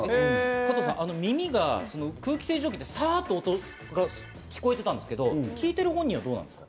加藤さん、耳が空気清浄機でサっという音は聞こえてたんですけど、聞いている本人はどうなんですか？